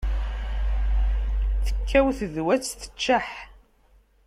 Tekkaw tedwat teččeḥ.